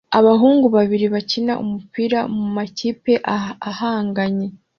Abahungu babiri bakina umupira mumakipe ahanganye